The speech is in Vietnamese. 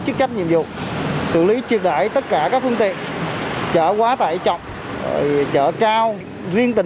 chức trách nhiệm vụ xử lý trực đẩy tất cả các phương tiện chở quá tải chọc chở cao riêng tỉnh